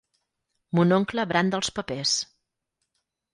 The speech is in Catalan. Mon oncle branda els papers.